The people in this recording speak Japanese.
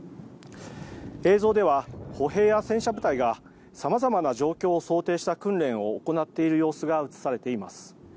映像では歩兵や戦車部隊が様々な状況を想定した訓練を行っている様子が映されています。